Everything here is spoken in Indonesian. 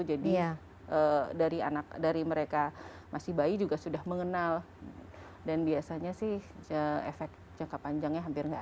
jadi dari mereka masih bayi juga sudah mengenal dan biasanya sih efek jangka panjangnya hampir tidak ada ya